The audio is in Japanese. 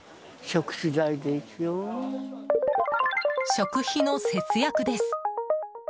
食費の節約です。